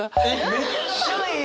めっちゃええ！